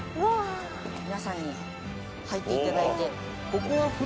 皆さんに入って頂いて。